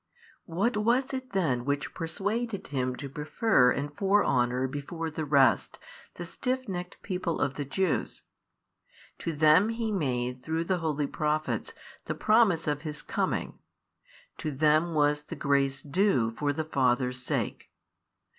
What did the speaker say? What was it then which persuaded Him to prefer and fore honour before the rest the stiffnecked people of the Jews? To them He made through the holy Prophets the promise of His Coming, to them was the grace due for the fathers' sake.